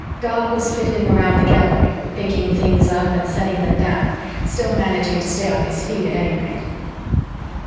Doc was fiddling around the Gallery, picking things up and setting them down, still managing to stay on his feet at any rate.